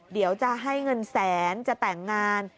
เดี๋ยวจะให้เงินแสนจะแต่งงาน